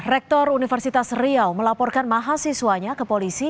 rektor universitas riau melaporkan mahasiswanya ke polisi